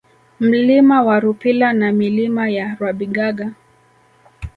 Mlima wa Rupila na Milima ya Rwabigaga